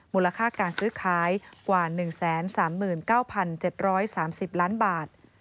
มูลค่าการซื้อขายกว่า๑๓๙๗๓๐ล้านบาท